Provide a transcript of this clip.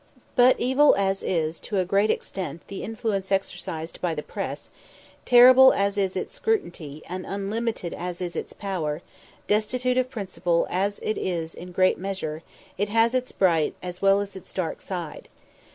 But evil as is, to a great extent, the influence exercised by the press, terrible as is its scrutiny, and unlimited as is its power, destitute of principle as it is in great measure, it has its bright as well as its dark side.